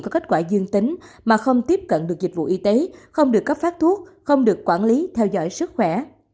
có kết quả dương tính mà không tiếp cận được dịch vụ y tế không được cấp phát thuốc không được quản lý theo dõi sức khỏe